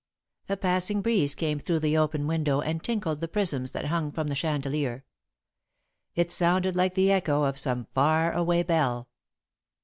A passing breeze came through the open window and tinkled the prisms that hung from the chandelier. It sounded like the echo of some far away bell.